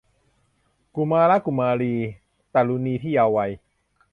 กุมาระกุมารี ตะรุณีที่เยาว์วัย